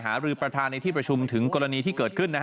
หารือประธานในที่ประชุมถึงกรณีที่เกิดขึ้น